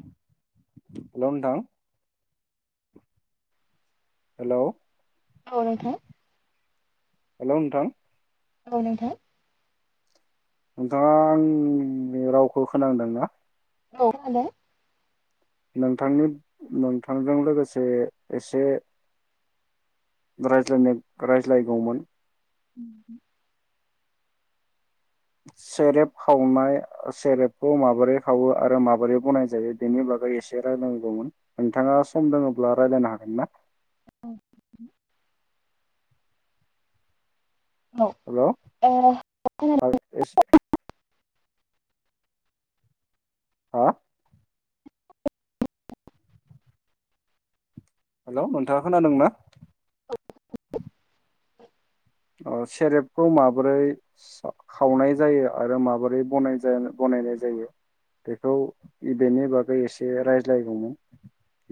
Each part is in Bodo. हेल नोंथां हेल औ नोंथां हेलौ नोंथां औ नोंथां नोंथाङा आंनि रावखौ खोनांदोंना औ खोनादो नोंथांनि नोंथांजों लोगोसे एसे रायज्लायनाय रायज्लायगौमोन [inaudible] सेरेप खावनाय सेरेबखौ माबोरै खावो आरो माबोरै बनाय जायो बेनि बागै एसे रायलांगौमोन नोंथाङा सम दङोब्ला रायलायनो हागोन ना औ ओ हेल खोनादों [inaudible] हा हेल नोंथाङा खोनादोंना औ सेरेबखौ माबोरै खावनाय जायो आरो माबोरै बनायनाय जायो बेखौ बेनि बागै एसे रायज्लायगौमोन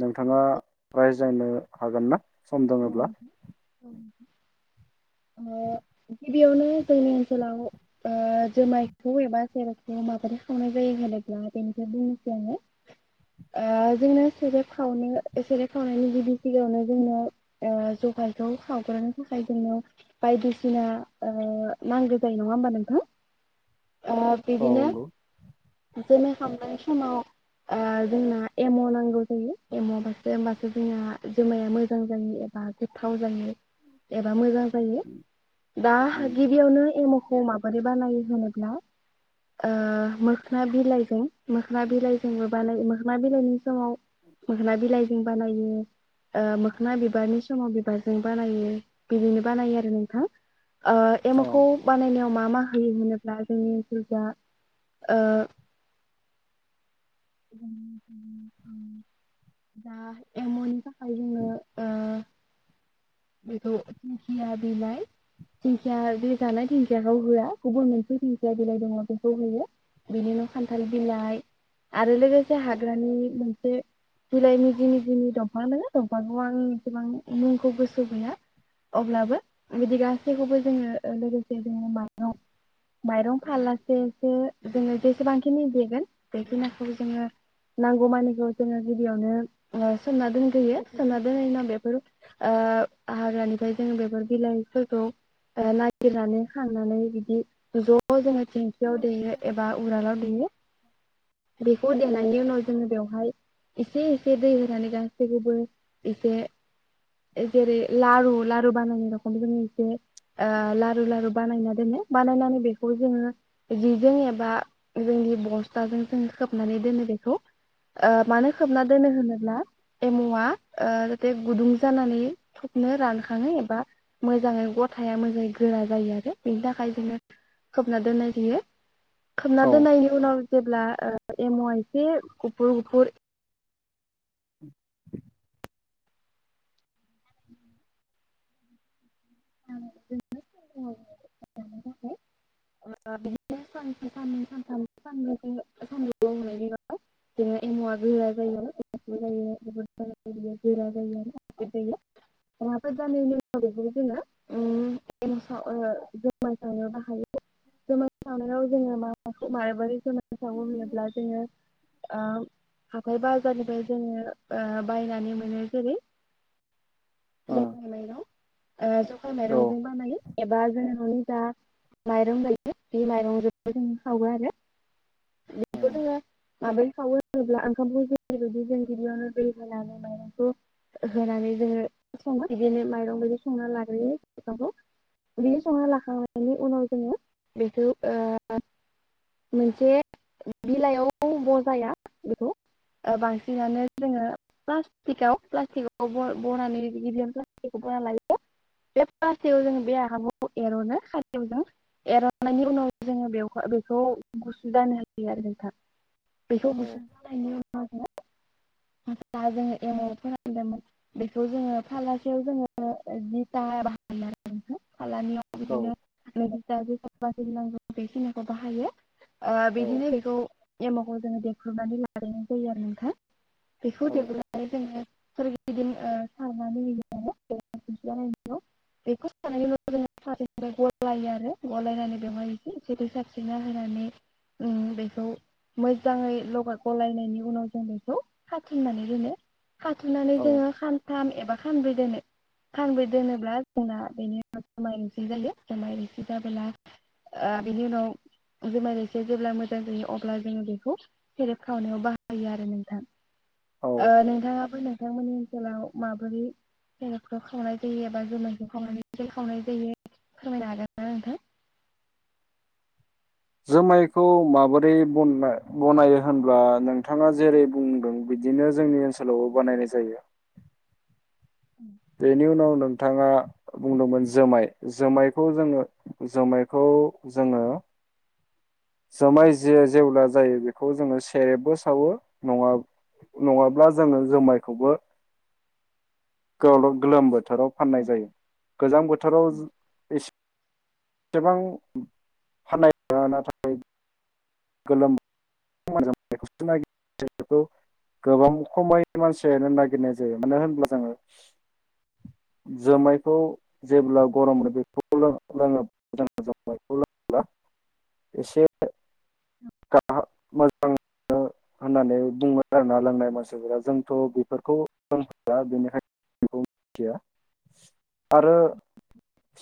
नोंथाङा रायज्लायनो हागोन ना सम औ दङोब्ला नोंथां औ गिबियावनो जोंनि ओनसोलाव जुमायखौ एबा सेराइखौ माबोरै खावनाय जायो होनोब्ला बेनिखनो बुंनोसै आङो जोंना सेरे खावनो सेरेब खावनायनि गिबि सिगाङावनो जोंनो जगारखौ हावग्रोनो थाखाय जोंनो बायदिसिना नांगौ जायो नङा होमबा नोंथां औ बिदिनो नंगौ। जोनो हाबनाय समाव ओ जोंना एम नांगौ जायो एम बासो होमबासो जोंना जुमाया मोजां जायो बा गोथाव जायो एबा मोजां जायो दा उम गिबियावनो एम माबोरै बानायो होनोब्ला मोखना बिलाइजों मोखना बिलाइ जोंबो बानाय मोखना बिलाइनि समाव मोखना बिलाइजों बानायो मोखना बिबारनि समाव बिबारजों बानायो बिदिनो बानायो आरो नोंथां औ एमुखौ बानायनायाव मा मा होयो होनोब्ला जोंनि ओनसोलजा दा एमनिखा औ बेखौ दिंखिया बिलाइ दिंखिया बे जानाय दिंखियाखौ होआ गुबुन मोनसे दिखिया बिलाइ दङ बेखौ होयो बिनिनो खान्थाल बिलाइ आरो लोगोसे हाग्रानि मोनसे बिलाइनि जिनि जिनि दंफां दङ दंफांखौ आं एसेबां मुंखौ गोसो सुबैया अब्लाबो बिदि गासैखौबो जोङो लोगोसे जोंङो माइरं माइरं फालासेसो जोङो जेसेबांखिनि देगोन बेखिनिखौ जोङो नांगौ मानिखौ जोङो गिबियावनो सोमना दोनगोयो सोमना दोननायनि उनाव बेफोर हाग्रानिफ्राय जों बेफोर बिलाइफोरखौ नागिरनानै खांनानै बिदि ज' जोङो दिंखियाव दैयो एबा उरालाव दैयो बेखौ द उनाव जोङो बेवहाय एसे एसे दै होनानै गासैखौबो एसे जेरै लारु लारु बानायनाय रखम जोङो एसे लारु लारु बानायना दोनो बानायनानै बेखौ जोङो जिजों एबा जोंनि बस्थाजों जों खोबनानै दोनो बेखौ मानो खोबना दोनो होनोब्ला एम'आ जाहाथे गुदुं जानानै थबनो रानखाङो एबा मोजाङै गथाया मोजाङै गोरा जायो आरो बेनि थाखाय जोङो खोबना दोननाय जायो खोबना औ दोन नायनि उनाव जेब्ला एमाव आं इसे इसे गुफुर गुफुर औ बिदिनो सानसे साननै सानथाम सानुं सानदुं एमावआ गोरा जायो बेनिखायनो हाफो जानायनि उनाव बेखौ जोङो जुमाय सावनोबो हायो जुमाय सावनायाव जोङो माखौ माबबोरै जोमाय सावो होनोब्ला जोङो हाथाय बाजारनिफ्राय जोङो बायनानै मोनो जेरै जखाइ माइरं जखाइ ओ माइरंजों बानायो एबा जोङो न'नि जा माइरं गायो बे माइरंखौ जों खावो आरो बेखौ जोङो माबै खावो होनोब्ला ओंखामखौ ज जुदि जों गिबियावनो दै होनानै माइरंखौ होनानै जोङो बिदिनो माइरं बिदि संना लाग्रोयो बिफांखौ बिदि संना लाखांनायनि उनाव जोङो बेखौ मोनसे बिलाइयाव बजाया बेखौ बांसिनानो जोङो प्लास्टिकआव प्लास्टिकआव बनानै फोना लायो बे पटिकआव जोङो बे आगामखौ एर'नो खादौवजों एरननायनि उनाव जोङो बे बेखौ गुसु जानो होयो आरो जों बेखौ गुसु जानायनि उनाव जों जोङो एमाव फोननदोंमोन बेखौ जोङो फारलासेयाव जोङो जिथा बाहनानै फारलानैयाव औ बिदिनो नांगौ बेखिनिखौ बाहायो औ बिदिनो बेखौ एम'खौ जोङो देख्रुबनानै लालायनाय जायो आरो नोंथां बेखौ औ देबोनो सोरगिदिं सारनानै होयो आरो बेखौ उनाव जो गलायो आरो गलायनानै बेवहाय एसे ए दैै साबस्रिना होनानै बेखौ मोजाङै लगाय गलायनायनि उनाव जों बेखौ खाथिंनानै दोनो खाथुनानै औ जोङो बा खानब्रै दोनो खानब्रै दोनोब्ला जोंना बेनि उनाव जुमाय रसि जायो जुमाय रसि जाब बेनि उनाव जुमाय रोसिया जेब्ला मोजां जायो अब्ला जोङो बेखौ फेरेब खावनायाव बाहायो आरो नोंथां औ ओ नोंथांङाबो नोंथांमोननि उनाव माबोरै जायगाफोर खावनाय जायो एबा जोमोनखौ खावनाय खावनाय जायो फोरमायनो हागोन आरो नोंथां जुमायखौ माबोरै बानायो होनब्ला नोंथाङा जेरै बुंदों बिदिनो जोंनि ओनसोलावबो बानायनाय जायो बेनि उनाव नोंथाङा बुंदोंमोन जोमाय जोमायखौ जोङो जोमायखौ जोङो जौमाय जेब्ला जायो बेखौ जोङो सेरेबबो सावो न नङाब्ला जोङो जुमायखौबो गोलोम बोथोराव जायो गोजां बोथोराव एसेबां फाना नाथाय गोलोम गोबां खमै मानसियानो नागिरनाय जायो मानो होनब्ला जोंङो जोमायखौ जेब्ला गरम मोनो बेखौ लोङो [unintelligible] [unintelligible] मोजां होननानै बुंङो आरोना लोंनाय मानसिफोरा जोंथ' बेफोरखौ लोंहोया बेनिखायनो मिथिया आरो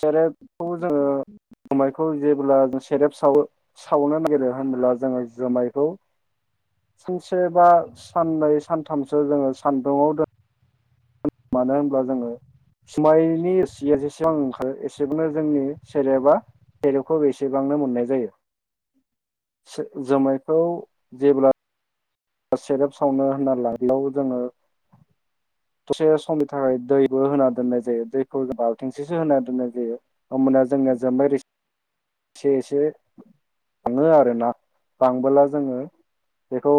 सेरेब खौ जोंङो जेबोब्ला सेरेब सावो सावनो नागिरो होनबोला जोङो जुमायखौ सानसे बा साननै सान थामसो जोंङो सानदुंङाव दोन मानो होनब्ला जोंङो जुमायनि सिया जेसेबां ओंखारो एसेबांनो जोंनि सेरेबा सेरेबखौ बेसेबांनो मोननाय जायो जोमायखौ जेब्ला सेरेब सावनो होनना लायो बेयाव जोंङो दसे समनि थाखाय दैबो होना दोननाय जायो दैखौ बालथिंसेसो होना दोननाय जायो होमबाना जोंनिया जोमाय रोसि एसे एसे बांङो आरो ना बांबोला जोंङो बेखौ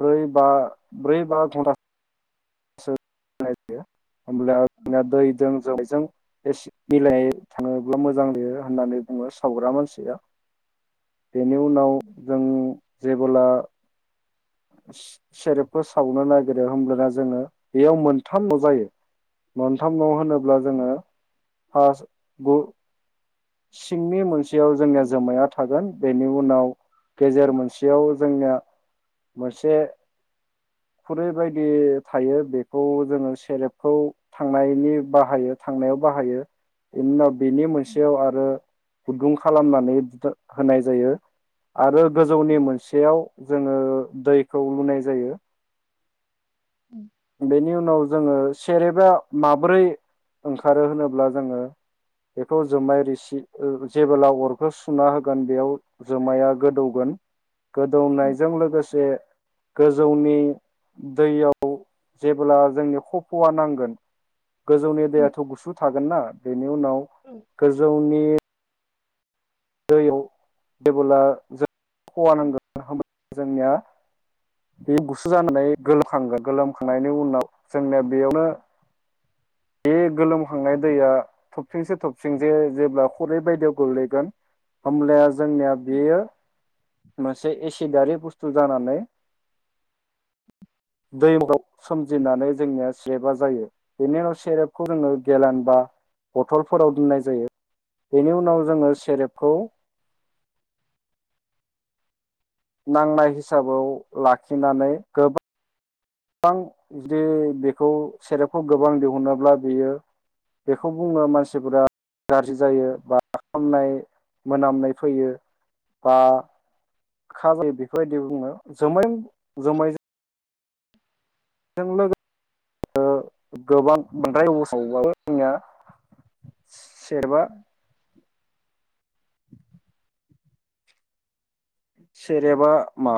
ब्रै बा ब्रै बा घन्टा दोननाय जायो। होमब्ला दैजों जुमायजों एसे मिलायनो थांङोब्ला मोजां जायो होननानै बुंङो सावग्रा मानसिया। बेनि उनाव जों जे बोला सेरेबखौ सावनो नागिरो होमब्लाना जोंङो बेयाव मोनथाम न' जायो मोनथाम न' होनोब्ला ब्ला जोंङो हास गु सिंनि मोनसे याव जोंनिया जोमायया थागोन बेनि उनाव गेजेर मोनसेयाव जोंनिया मोनसे खुरै बायदि थायो बेखौ जोंङो सेरेबखौ थांनायनि बाहायो थांनायाव बाहायो बेनि उनाव बेनि मोनसेयाव आरो गुदुं खालामनानै होनाय जायो आरो गोजौनि मोनसेयाव जोंङो दैखौ लुनाय जायो। उम बेनि उनाव जोंङो सेरेबा माबोरै ओंखारो होनोब्ला जोंङो बेखौ जुमाय रिसि जेबोब्ला अरखौ सुना होगोन बेयाव जुमाया गोदौगोन। गोदौनायजों लोगोसे गोजौनि दैयाव जेब्ला जोंनो खफ'आ नांगोन गोजौनि दैयाथ' गुसु थागोन ना। नि उनाव गोजौ नि दैयाव जेबोला जों [unintelligible] जोंनिया बे गुसु जानानै गोलोमखांगोन। गोलोमखांनायनि उनाव जोंनो बेयावनो बे गोलोमखांनाय दैया थबथिंसे थबथिंसे जेब्ला खरै बायदियाव गोग्लैगोन। होमब्लाया। जोंनिया बेयो मोनसे एसिड [unintelligible] बुस्थु जानानै दैआव सोमजिनानै जोंनिया सेरेबा जायो बेनि उनाव सेरेबखौ जोङो गेलान बा बथलफोराव दोननाय जायो बेनि उनाव जोङो सेरेब खौ। नांनाय हिसाबाव लाखिनानै गोबां। बां जुदि बेखौ सेरेपखौ गोबां दिहुनोब्ला बेयो बेखौ बुङो मानसिफोरा गाज्रि जायो बा खामनाय मोनामनाय फैयो बा गोखा जायो बेफोरबायदि बुङो जोमाय जोमायजों बेजों लोगोसे ओ गोबां [unintelligible] जोंनिया सेरेबा। सेरेबा मा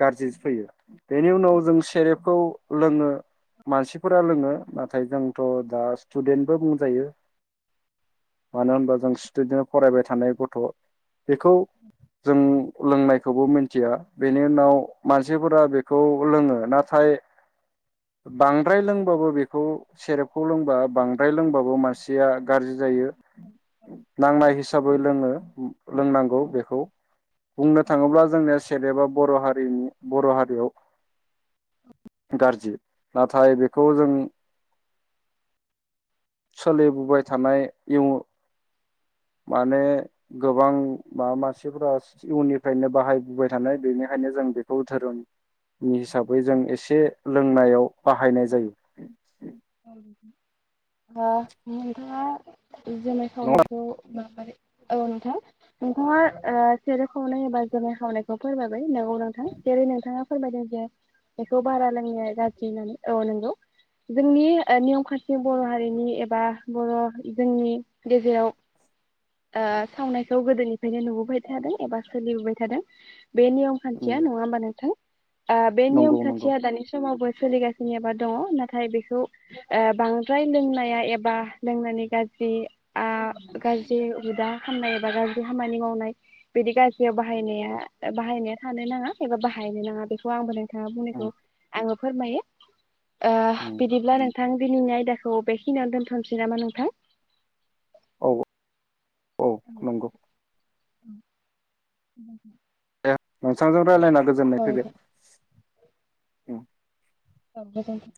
गाज्रिसो फैयो। बेनि उनाव जों सेरेफखौ लोङो मानसिफोरा लोङो नाथाय जोंथ दा स्टुदेन्टबो बुंजायो। मानो होनबा जों स्टुडे फरायबाय थानाय गथ बेखौ जों लोंनायखौबो मिनथिया बेनि उनाव मानसिफोरा बेखौ लोङो नाथाय बांद्राय लोंबाबो बेखौ सेरेबखौ लोंबा बांद्राय लोंबाबो मानसिया गाज्रि जायो नांनाय हिसा हिसाबै लोङो लोंनांगौ बेखौ। बुंनो थाङोब्ला जोंनिया सेरेबा बर' हारिनि बर' हारियाव गाज्रि नाथाय बेखौ जों सोलिबोबाय थानाय इउन माने गोबां बा मानसिफोरा इुननिफ्रायनो बाहायबोबाय थानाय बेनिखायनो जों बेखौ धोरोमनि हिसाबै जों एसे लोंनायाव बाहायनाय जायो। [unintelligible] जुमाय नङा खावनायखौ माबारै ओ नोंथां नोंथाङा ओ सेरेब खावनाय एबा जुमाय खावनायखौ फोरमायबाय नंगौ नोंथां जेरै नोंथाङा फोरमायदों जे बेखौ बारा लोंनाया गाज्रि होननानै औ नंगौ। जोंनि ओ नियम खान्थि बर हारिनि एबा बर जोंनि गेजेराव ओ सावनायखौ गोदोनिफ्रायनो नुबोबाय थादों एबा सोलिबोबाय थादों। बे नियम उम खान्थिया नङा होमबा नोंथां आ बे नियम नंगौ नंगौ खान्थिया दानि समावबो सोलिगासिनो एबा दङ नाथाय बे ओ बांद्राय लोंनाया एबा लोंनायनि गाज्रि आ गाज्रि हुदा खामनाय एबा गाज्रि खामानि मावनाय बिदि गाज्रियाव बाहायनाया बाहायनाया थानो नाङा एबा बाहायनो नाङा बेखौ आं बुं खोथा बुंनायखौ उम आङो फोरमायो ओ उम बिदिब्ला नोंथां दिनैनि आयदाखौ बेखिनियाव दोनथनोसै नामा नोंथां? औ औ नंगौ [inaudible] दे नोंसांजों रायलायना गोजोननाय फैबाय। उम औ गोजोनथों